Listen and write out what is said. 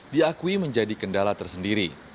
diakui menjadi kendala tersendiri